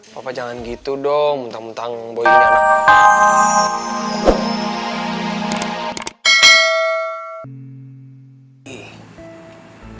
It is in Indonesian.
papa jangan gitu dong muntah muntah boy ini anak